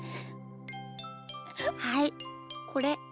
はいこれ。